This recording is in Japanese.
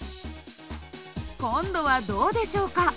今度はどうでしょうか？